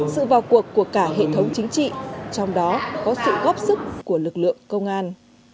sự vào cuộc của cả hệ thống chính trị trong đó có sự góp sức của lực lượng công an